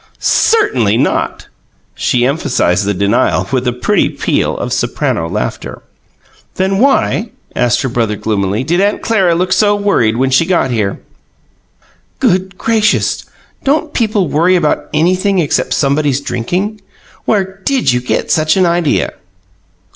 "Certainly not!" She emphasized the denial with a pretty peal of soprano laughter. "Then why," asked her brother gloomily, "why did Aunt Clara look so worried when she got here?" "Good gracious! Don't people worry about anything except somebody's drinking? Where did you get such an idea?"